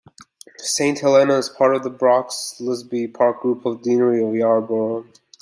Saint Helena's is part of the Brocklesby Park Group of the Deanery of Yarborough.